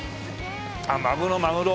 あっマグロマグロ。